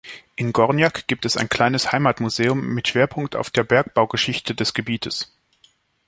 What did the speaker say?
In Gornjak gibt es ein kleines Heimatmuseum mit Schwerpunkt auf der Bergbaugeschichte des Gebietes.